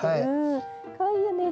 かわいいよね。